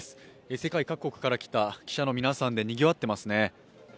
世界各国から来た記者の皆さんでにぎわっていますね。